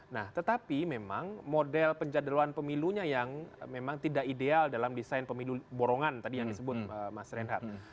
nah tetapi memang model penjadwalan pemilunya yang memang tidak ideal dalam desain pemilu borongan tadi yang disebut mas reinhardt